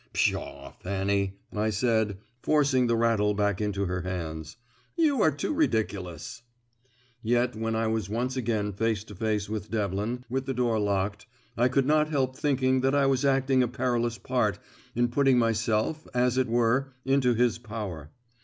"Pshaw, Fanny!" I said, forcing the rattle back into her hands. "You are too ridiculous!" Yet when I was once again face to face with Devlin, with the door locked, I could not help thinking that I was acting a perilous part in putting myself, as it were, into his power.